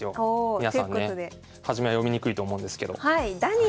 皆さんね初めは読みにくいと思うんですけど。